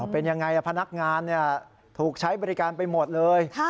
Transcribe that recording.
เป็นยังไงล่ะพนักงานถูกใช้บริการไปหมดเลย